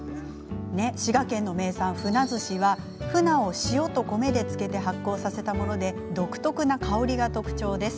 滋賀県の名産ふなずしはふなを塩と米で漬けて発酵させたもので独特な香りが特徴です。